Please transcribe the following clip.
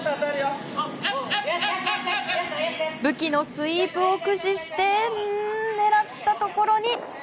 武器のスイープを駆使して狙ったところに。